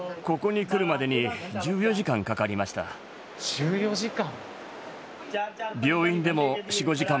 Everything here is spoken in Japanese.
１４時間。